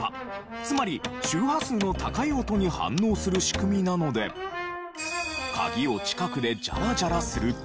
つまり周波数の高い音に反応する仕組みなので鍵を近くでジャラジャラすると。